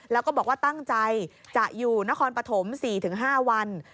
แล้วก็บอกว่าตั้งใจจะอยู่นครปฐม๔๕วัน